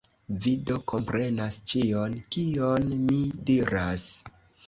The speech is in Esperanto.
Vi do komprenas ĉion, kion mi diras?